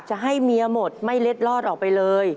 จะให้เมียหมดไม่เล็ดลอดออกไปเลย